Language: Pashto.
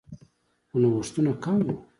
خو نوښتونه کم وو